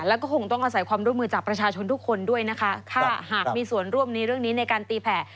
แล้วก็คงต้องอาศัยความร่วมมือจากประชาชนทุกคนด้วยนะคะถ้าหากมีส่วนร่วมในเรื่องนี้ในการตีแผ่